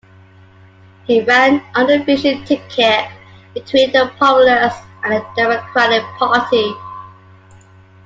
He ran under a fusion ticket between the Populist and the Democratic Party.